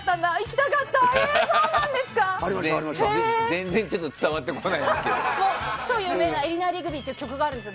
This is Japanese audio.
全然伝わってこないです。